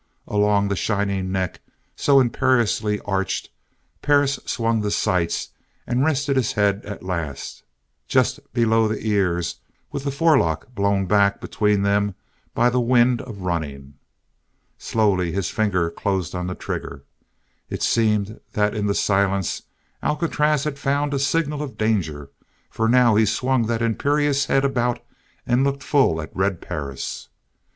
Along the shining neck, so imperiously arched, Perris swung the sights and rested his head, at last, just below the ears with the forelock blown back between them by the wind of running. Slowly his finger closed on the trigger. It seemed that in the silence Alcatraz had found a signal of danger for now he swung that imperious head about and looked full at Red Perris.